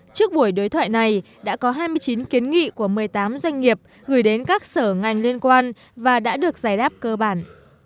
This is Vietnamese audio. trước buổi đối thoại này đã có hai mươi chín kiến nghị của một mươi tám doanh nghiệp gửi đến các sở ngành liên quan và đã được giải đáp cơ bản